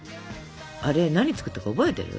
あれ何作ったか覚えてる？